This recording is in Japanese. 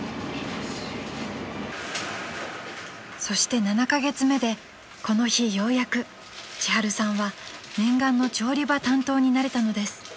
［そして７カ月目でこの日ようやく千春さんは念願の調理場担当になれたのです］